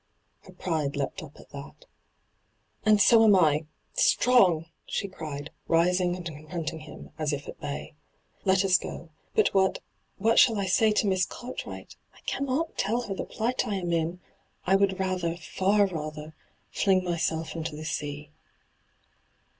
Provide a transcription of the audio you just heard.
Her pride leapt up at that. ' And BO am I — strong 1' she cried, rising and confronting him, as if at bay. ' Let us go. But what — what shall I say to Miss Cartwright? I cannot tell her the plight I am in — I would rather, &r rather, fling myself into the sea.'